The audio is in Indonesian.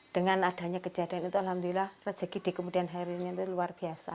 dengan adanya kejadian itu alhamdulillah rezeki di kemudian harinya itu luar biasa